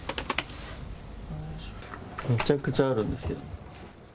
むちゃくちゃあるんですよ。